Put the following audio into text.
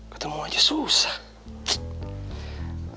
ketemu aja susah